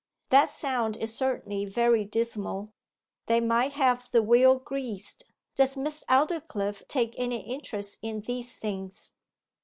'That sound is certainly very dismal. They might have the wheel greased. Does Miss Aldclyffe take any interest in these things?